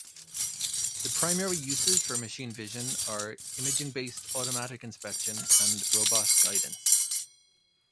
The primary uses for machine vision are imaging-based automatic inspection and robot guidance.